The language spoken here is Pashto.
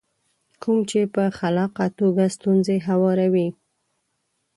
کوم چې په خلاقه توګه ستونزې هواروي.